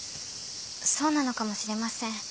そうなのかもしれません。